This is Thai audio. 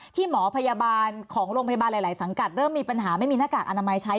หมอพยาบาลของโรงพยาบาลหลายสังกัดเริ่มมีปัญหาไม่มีหน้ากากอนามัยใช้